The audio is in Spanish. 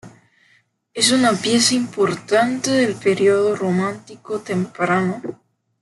Es una pieza importante del período romántico temprano.